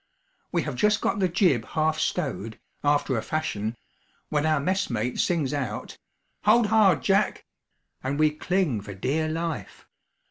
We have just got the jib half stowed, 'after a fashion,' when our messmate sings out: 'Hold hard, Jack!' and we cling for dear life.